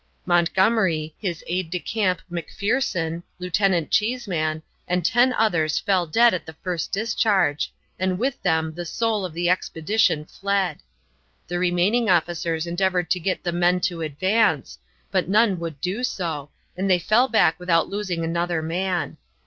Montgomery, his aid de camp Macpherson, Lieutenant Cheeseman, and 10 others fell dead at the first discharge, and with them the soul of the expedition fled. The remaining officers endeavored to get the men to advance, but none would do so, and they fell back without losing another man.